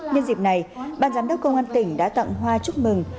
nhân dịp này ban giám đốc công an tỉnh đã tặng hoa chúc mừng